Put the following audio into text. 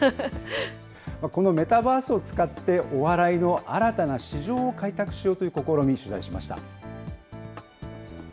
このメタバースを使って、お笑いの新たな市場を開拓しようという試み、取材しました。